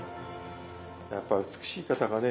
やっぱ美しい方がね